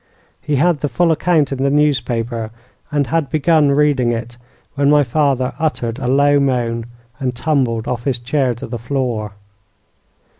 He had the full account in the newspaper, and had begun reading it, when my father uttered a low moan and tumbled off his chair to the floor.